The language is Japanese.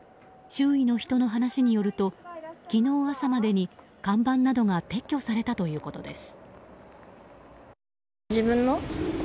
周囲の人の話によると昨日朝までに看板などが撤去されたということです。